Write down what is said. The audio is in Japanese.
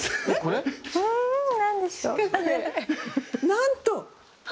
なんと！